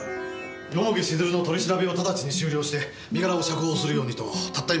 蓬城静流の取り調べを直ちに終了して身柄を釈放するようにとたった今弁護士が来て。